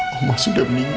oma sudah meninggal